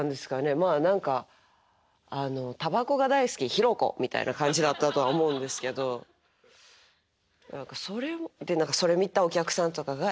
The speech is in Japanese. まあ何かあの「タバコが大好きヒロコ」みたいな感じだったとは思うんですけど何かそれをでそれ見たお客さんとかが「え？